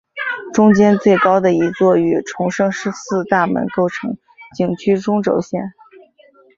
中间最高的一座与崇圣寺大门构成景区中轴线。